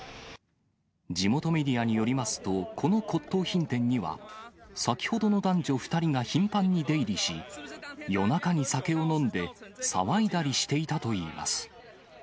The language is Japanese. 地元メディアによりますと、この骨とう品店には、先ほどの男女２人が頻繁に出入りし、夜中に酒を飲んで騒いだりしていたといいます。